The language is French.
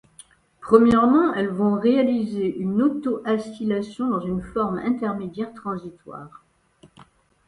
Premièrement, elles vont réaliser une auto-acylation dans une forme intermédiaire transitoire.